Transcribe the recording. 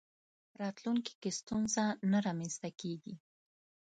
راتلونکي کې ستونزه نه رامنځته کېږي.